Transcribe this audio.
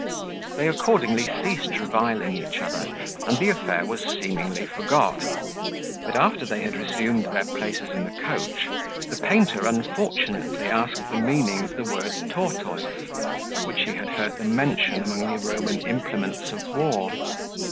They accordingly ceased reviling each other, and the affair was seemingly forgot; but after they had resumed their places in the coach, the painter unfortunately asked the meaning of the word tortise, which he had heard them mention among the Roman implements of war.